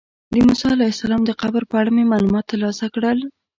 د موسی علیه السلام د قبر په اړه مې معلومات ترلاسه کړل.